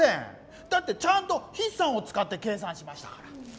だってちゃんとひっ算をつかって計算しましたから。